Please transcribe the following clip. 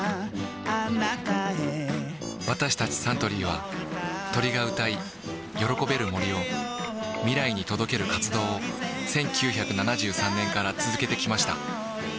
私たちサントリーは鳥が歌い喜べる森を未来に届ける活動を１９７３年から続けてきました